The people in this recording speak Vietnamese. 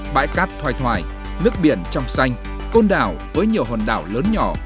bãi cát thoài thoài nước biển trong xanh con đảo với nhiều hồn đảo lớn nhỏ